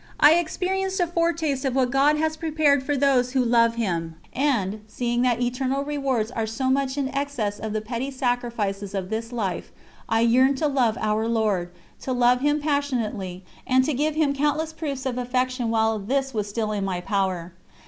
I experienced a foretaste of what God has prepared for those who love Him; and, seeing that eternal rewards are so much in excess of the petty sacrifices of this life, I yearned to love Our Lord, to love Him passionately, and to give Him countless proofs of affection while this was still in my power.